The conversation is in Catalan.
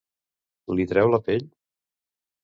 Li treu la pell?